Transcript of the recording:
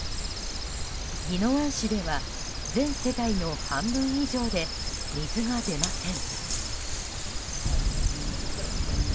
宜野湾市では全世帯の半分以上で水が出ません。